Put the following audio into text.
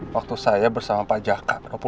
waktu saya bersama pak jaka